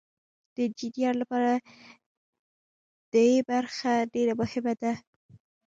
د انجینر لپاره د ای برخه ډیره مهمه ده.